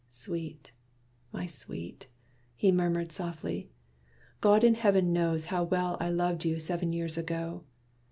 "Sweet, my sweet!" He murmured softly, "God in Heaven knows How well I loved you seven years ago.